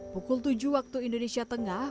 pukul tujuh waktu indonesia tengah